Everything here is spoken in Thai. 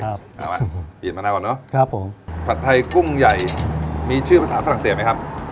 เอามาเปลี่ยนมะนาวก่อนเนอะครับผมผัดไทยกุ้งใหญ่มีชื่อภาษาฝรั่งเศสไหมครับ